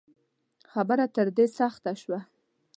خبره تر دې سخته شوه